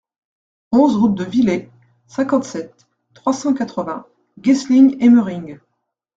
onze route de Viller, cinquante-sept, trois cent quatre-vingts, Guessling-Hémering